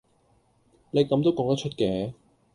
你咁都講得出嘅